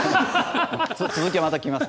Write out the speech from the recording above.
続きはまた来ます。